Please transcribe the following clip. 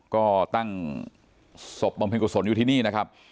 ก็ตั้งศพบำเพ็ญกุศลอยู่ที่นี่นะครับ